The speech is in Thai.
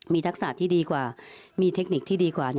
มีทักษะที่ดีกว่ามีเทคนิคที่ดีกว่า